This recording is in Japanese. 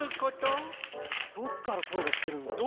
どっからこえがしてるんだろう？